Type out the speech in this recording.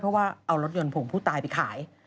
เพราะว่าเอารถยนต์ของผู้ตายไปขาย